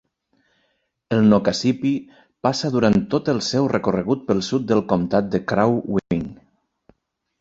El Nokasippi passa durant tot el seu recorregut pel sud del comtat de Crow Wing.